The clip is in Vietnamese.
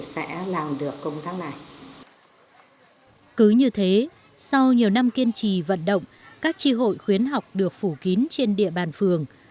sau nhiều năm kiên trì vận động các tri hội khuyến học được phủ kín trên địa bàn phường